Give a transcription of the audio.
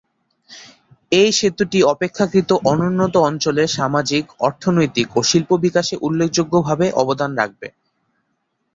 এই সেতুটি অপেক্ষাকৃত অনুন্নত অঞ্চলের সামাজিক, অর্থনৈতিক ও শিল্প বিকাশে উল্লেখযোগ্যভাবে অবদান রাখবে।